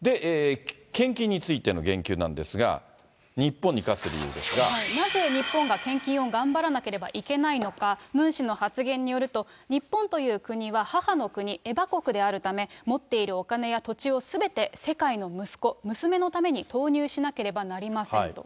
献金についての言及なんですが、なぜ日本が献金を頑張らなければいけないのか、ムン氏の発言によると、日本という国は母の国、エバ国であるため、持っているお金や土地をすべて世界の息子、娘のために投入しなければなりませんと。